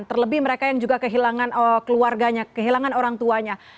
terlebih mereka yang juga kehilangan keluarganya kehilangan orang tuanya